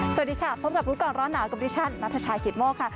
สวัสดีค่ะพบกับรู้ก่อนร้อนหนาวกับดิฉันนัทชายกิตโมกค่ะ